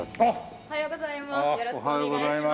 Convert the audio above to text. おはようございます。